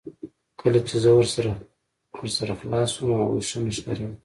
کله چې زه ورسره خلاص شوم هغوی ښه نه ښکاریدل